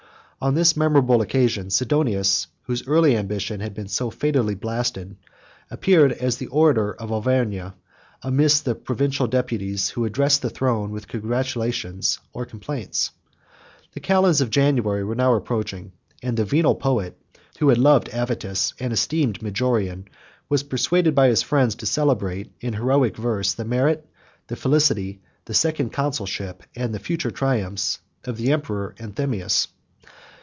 On this memorable occasion, Sidonius, whose early ambition had been so fatally blasted, appeared as the orator of Auvergne, among the provincial deputies who addressed the throne with congratulations or complaints. 74 The calends of January were now approaching, and the venal poet, who had loved Avitus, and esteemed Majorian, was persuaded by his friends to celebrate, in heroic verse, the merit, the felicity, the second consulship, and the future triumphs, of the emperor Anthemius.